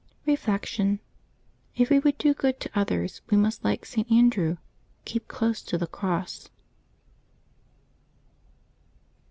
Reflection. — If we would do good to others, we must, like St. Andrew, keep close to the cross.